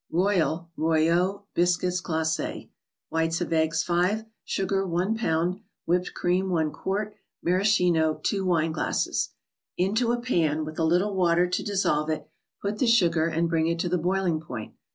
Kopl (IRo^aur) Biscuits ©laces. Whites of eggs, 5 ; Sugar, 1 lb.; Whipped cream, 1 qt.; Maraschino, 2 wineglasses. Into a pan, with a little water to dissolve it, put the sugar, and bring it to the boiling point.